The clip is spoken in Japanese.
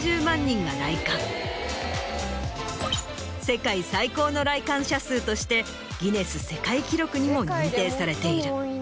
世界最高の来館者数としてギネス世界記録にも認定されている。